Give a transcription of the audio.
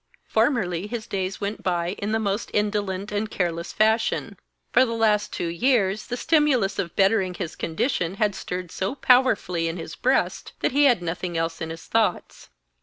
Formerly his days went by in the most indolent and careless fashion. For the last two years, the stimulus of bettering his condition had stirred so powerfully in his breast that he had nothing else in his thoughts.